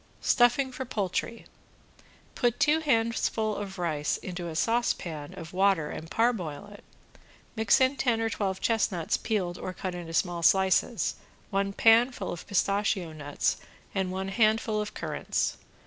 ~STUFFING FOR POULTRY~ Put two handfuls of rice into a saucepan of water and parboil it, mix in ten or twelve chestnuts peeled or cut into small slices, one pan full of pistachio nuts and one handful of currants.